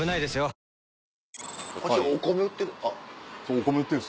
お米売ってる。